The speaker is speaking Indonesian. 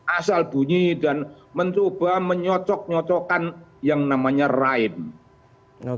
asal bunyi dan mencoba menyocok nyocokkan yang namanya rhine